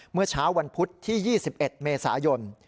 เมื่อเช้าวันพุธที่๒๑เมษายน